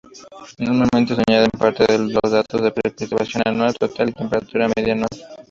Normalmente se añaden, aparte, los datos de precipitación anual total y temperatura media anual.